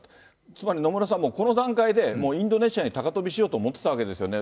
つまり野村さん、もうこの段階でもうインドネシアに高飛びしようと思ってたわけですよね。